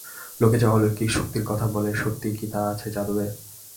লোক যে অলৌকিক শক্তির কথা বলে সত্যই কি তা আছে যাদবের?